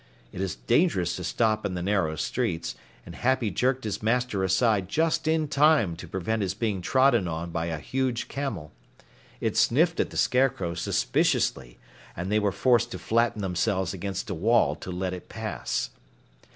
It is dangerous to stop in the narrow streets, and Happy jerked his master aside just in time to prevent his being trodden on by a huge camel. It sniffed at the Scarecrow suspiciously, and they were forced to flatten themselves against a wall to let it pass.